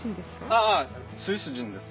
あぁスイス人です。